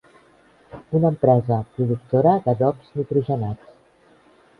Una empresa productora d'adobs nitrogenats.